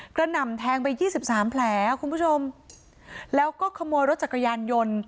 ก็นำแทงไป๒๓แผลคุณผู้ชมแล้วก็ขโมยรถจักรยานยนต์